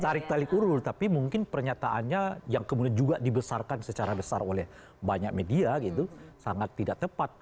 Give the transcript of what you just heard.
tarik tarik urul tapi mungkin pernyataannya yang kemudian juga dibesarkan secara besar oleh banyak media gitu sangat tidak tepat